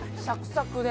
サクサクで。